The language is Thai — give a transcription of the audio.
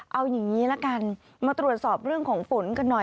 เอาอย่างนี้ละกันมาตรวจสอบเรื่องของฝนกันหน่อย